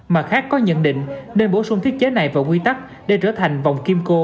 mặt khác có nhận định nên bổ sung thiết chế này vào quy tắc để trở thành vòng kim cô